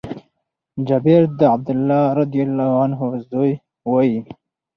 جابر د عبدالله رضي الله عنه زوی وايي :